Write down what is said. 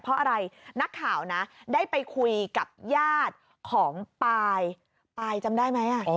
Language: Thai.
เพราะอะไรนักข่าวนะได้ไปคุยกับญาติของปายปายจำได้ไหม